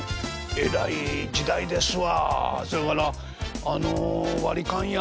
えらい時代ですわ。